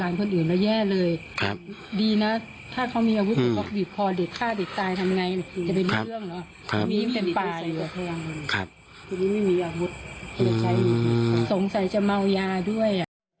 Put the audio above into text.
อันนี้ไม่มีอาวุธเหลือใครสงสัยจะเมายาด้วย